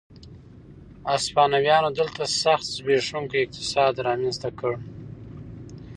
هسپانویانو دلته سخت زبېښونکی اقتصاد رامنځته کړ.